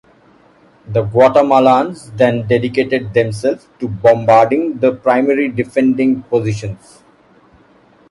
The Guatemalans then dedicated themselves to bombarding the primary defending positions.